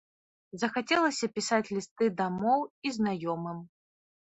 Захацелася пісаць лісты дамоў і знаёмым.